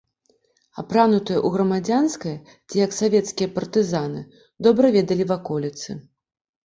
Апранутыя ў грамадзянскае ці як савецкія партызаны, добра ведалі ваколіцы.